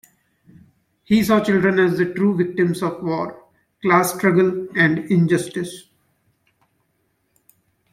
He saw children as the true victims of war, class struggle and injustice.